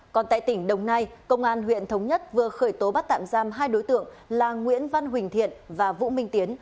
còn tại tỉnh đồng nai công an huyện thống nhất vừa khởi tố bắt tạm giam hai đối tượng là nguyễn văn huỳnh thiện và vũ minh tiến